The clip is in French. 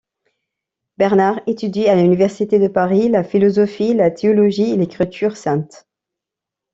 Bernard étudie à l'université de Paris la philosophie, la théologie et l'écriture sainte.